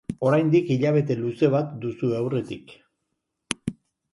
Oraindik hilabete luze bat duzue aurretik